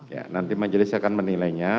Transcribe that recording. ya nanti majelis akan menilainya